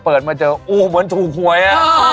เปิดมาเจอโอ้มันถูกหวยอะ